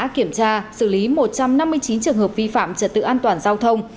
có một trăm năm mươi chín trường hợp vi phạm trật tự an toàn giao thông